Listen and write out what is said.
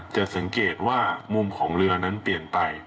จะสังเกตว่ามุมของเรือนั้นเปลี่ยนไป